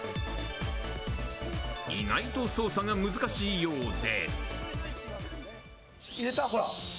意外と操作が難しいようで。